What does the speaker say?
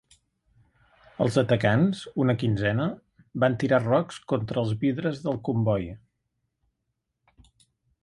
Els atacants —una quinzena— van tirar rocs contra els vidres del comboi.